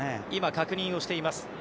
今、確認しています。